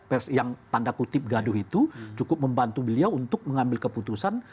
pers yang tanda kutip gaduh itu cukup membantu beliau untuk mengambil keputusan